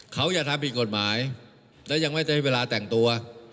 เขาอย่าทำผิดกฎหมายและยังไม่ใช้เวลาแต่งตัว